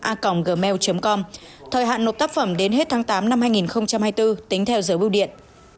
a gmail com thời hạn nộp tác phẩm đến hết tháng tám năm hai nghìn hai mươi bốn tính theo giới bưu điện